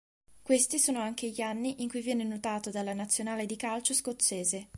Questi sono anche gli anni in cui viene notato dalla nazionale di calcio scozzese.